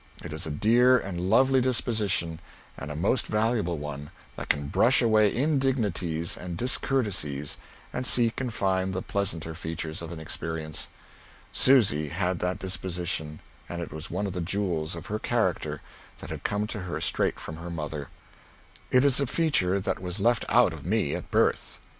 It is a dear and lovely disposition, and a most valuable one, that can brush away indignities and discourtesies and seek and find the pleasanter features of an experience. Susy had that disposition, and it was one of the jewels of her character that had come to her straight from her mother. It is a feature that was left out of me at birth.